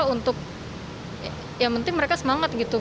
untuk yang penting mereka semangat gitu